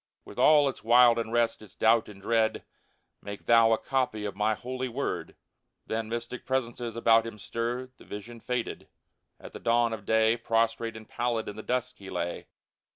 With all its wild unrest, its doubt and dread :*' Make thou a copy of My Holy Word !" Then mystic presences about him stirred ; The vision faded. At the dawn of day Prostrate and pallid in the dusk he lay.